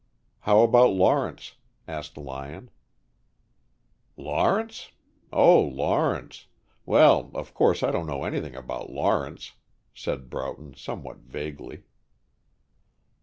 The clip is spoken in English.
"How about Lawrence?" asked Lyon. "Lawrence? Oh, Lawrence! Well, of course I don't know anything about Lawrence," said Broughton somewhat vaguely.